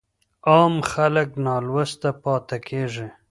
عام خلګ نالوسته پاته کيږي.